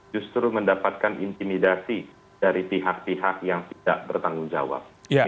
justru mendapatkan intimidasi dari pihak pihak yang tidak bertanggung jawab